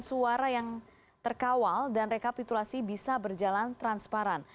suara yang terkawal dan rekapitulasi bisa berjalan transparan